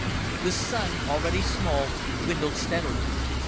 The Sun, already small, dwindled steadily.